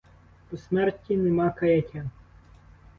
По смерті нема каяття!